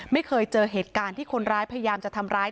ไม่เคยเจอเหตุการณ์ที่คนร้ายพยายามจะทำร้าย